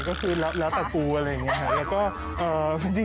ก็คือแล้วแต่กูอะไรอย่างนี้ค่ะ